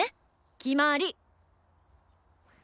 決まり！